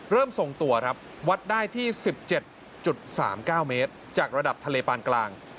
ทรงตัวครับวัดได้ที่๑๗๓๙เมตรจากระดับทะเลปานกลาง